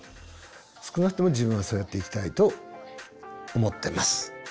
少なくとも自分はそうやっていきたいと思ってます。